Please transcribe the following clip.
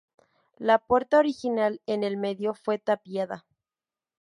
La puerta original, en el medio, fue tapiada.